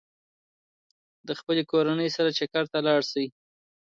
د خپلې کورنۍ سره چکر ته لاړ شئ.